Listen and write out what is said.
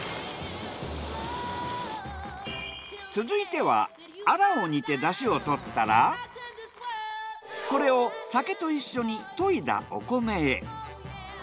続いてはアラを煮て出汁をとったらこれを酒と一緒にといだお米へ。